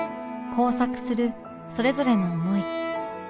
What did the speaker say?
交錯するそれぞれの思い